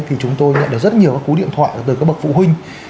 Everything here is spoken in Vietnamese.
thì chúng tôi nhận được rất nhiều các cú điện thoại từ các bậc phụ huynh